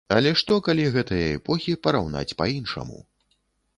Але што, калі гэтыя эпохі параўнаць па-іншаму.